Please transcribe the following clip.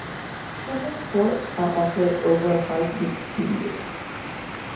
Several sports are offered over a five-week period.